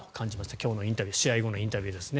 今日のインタビュー試合後のインタビューですね